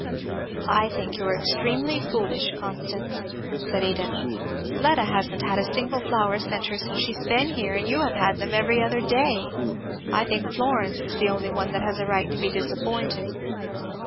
"I think you are extremely foolish, Constance," said Edith. "Fleda hasn't had a single flower sent her since she has been here and you have had them every other day. I think Florence is the only one that has a right to be disappointed."